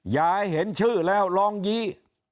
อย่าให้เห็นชื่อแล้วร้องยี้